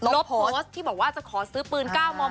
ลบโพสต์ที่บอกว่าจะขอซื้อปืน๙มม